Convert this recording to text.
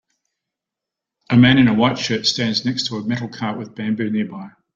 A man in a white shirt stands next to a metal cart with bamboo nearby.